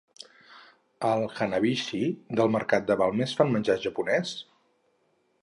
Al Hanabishi del Mercat de Balmes fan menjar japonés?